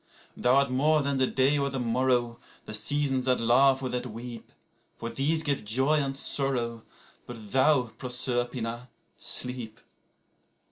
3Thou art more than the day or the morrow, the seasons that laugh or that weep;4For these give joy and sorrow; but thou, Proserpina, sleep.